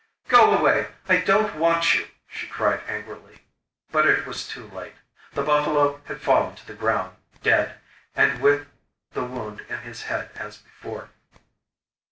'Go away! I don't want you!' she cried angrily. But it was too late. The buffalo had fallen to the ground, dead, and with the wound in his head as before.